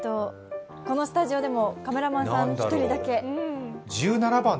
このスタジオでもカメラマンさん１人だけ。